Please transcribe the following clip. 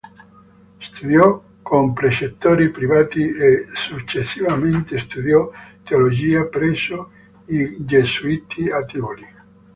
Studiò con precettori privati e successivamente studiò teologia presso i gesuiti a Tivoli.